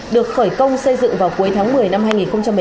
được khởi công xây dựng vào cuối tháng một mươi năm hai nghìn một mươi tám